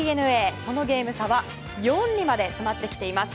そのゲーム差は４にまで詰まってきています。